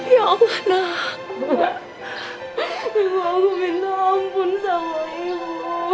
ya allah nak aku minta ampun sama ibu